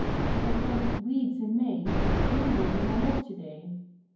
If I planted weeds in May, Rue will be my lot to day.